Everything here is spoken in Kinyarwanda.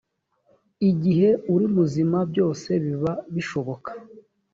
igihe uri muzima byose biba bishoboka